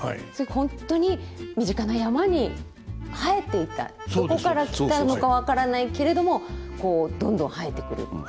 本当に身近な山に生えていたどこから来たのか分からないけれどもどんどん生えてくる。